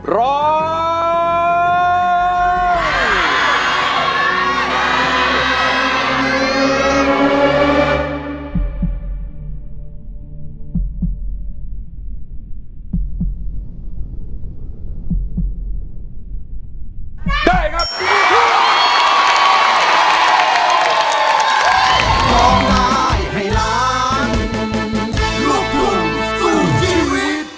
สำหรับนักสู้ชีวิตของเราคุณมณพนะครับ